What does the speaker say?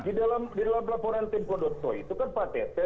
di dalam laporan tempo co itu kan pak tete